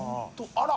あら。